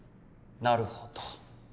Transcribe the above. なるほど。